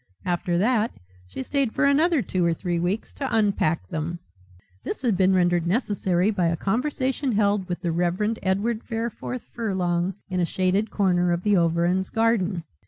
After that she stayed for another two or three weeks to unpack them. This had been rendered necessary by a conversation held with the Reverend Edward Fareforth Furlong, in a shaded corner of the Overend's garden.